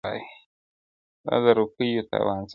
دا د روپیو تاوان څۀ ته وایي .